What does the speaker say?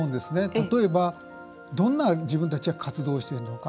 例えば、どんな自分たちは活動をしているのか。